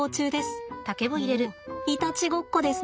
もういたちごっこですね。